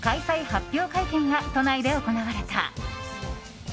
発表会見が都内で行われた。